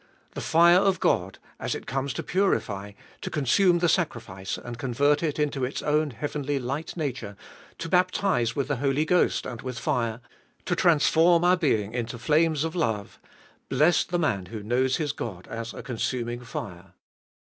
The fire of God, as it comes to purify, to consume the sacrifice and convert it into its own heavenly light nature, to baptize with the Holy Ghost and with fire, to transform our being into flames of love, — blessed the man who knows His God as a consuming fire.